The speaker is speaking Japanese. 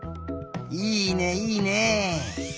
いいねいいね。